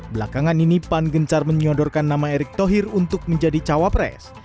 belakangan ini pan gencar menyodorkan nama erick thohir untuk menjadi cawapres